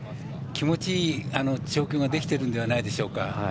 気持ちいい調教ができてるんではないでしょうか。